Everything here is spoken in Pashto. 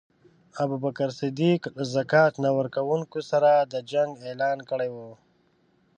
ابوبکر صدیق له ذکات نه ورکونکو سره د جنګ اعلان کړی وو.